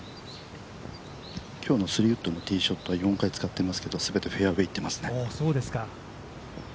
今日のスリーウッドのティーショットは４回使っていますけど全てフェアウエーいってますね。